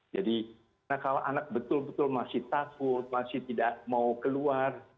jadi kalau anak betul betul masih takut masih tidak mau keluar